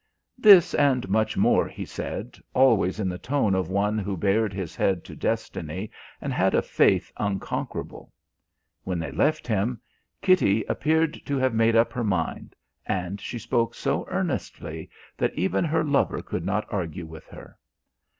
This and much more he said, always in the tone of one who bared his head to destiny and had a faith unconquerable. When they left him, Kitty appeared to have made up her mind, and she spoke so earnestly that even her lover could not argue with her.